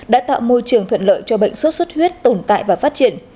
đã tạo môi trường thuận lợi cho bệnh sốt xuất huyết tồn tại và phát triển